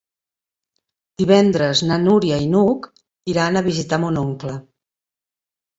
Divendres na Núria i n'Hug iran a visitar mon oncle.